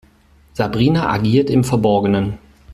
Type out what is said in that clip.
Sabrina agiert im Verborgenen.